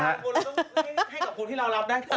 ให้กับคนที่รับได้